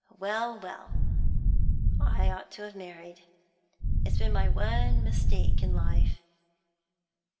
Well, well! I ought to have married. It's been my one mistake in life.'